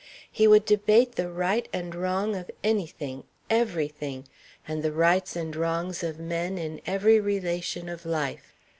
He would debate the right and wrong of any thing, every thing, and the rights and wrongs of men in every relation of life.